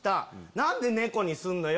「何で猫にすんのよ？